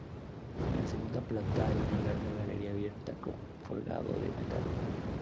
En la segunda planta, hay una larga galería abierta, con forjado de metal.